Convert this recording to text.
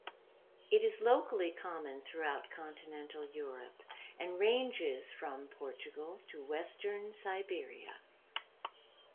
It is locally common throughout continental Europe, and ranges from Portugal to Western Siberia.